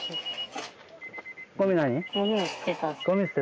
ゴミ何？